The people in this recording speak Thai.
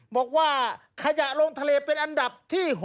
บอกว่าขยะลงทะเลเป็นอันดับที่๖